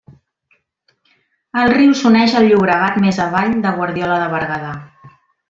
El riu s'uneix al Llobregat més avall de Guardiola de Berguedà.